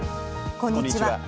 こんにちは。